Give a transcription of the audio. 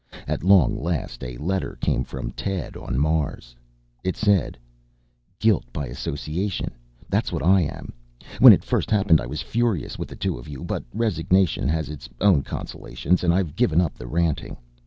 At long last a letter came from Ted on Mars. It said: Guilty by association, that's what I am! When it first happened I was furious with the two of you but resignation has its own consolations and I've given up the ranting.